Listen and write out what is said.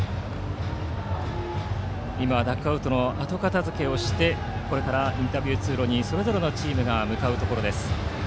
今ダグアウトの後片付けをしてこれからインタビュー通路にそれぞれのチームが向かうところです。